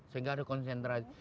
sehingga ada konsentrasi